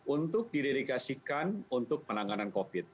untuk didedikasikan untuk penanganan covid sembilan belas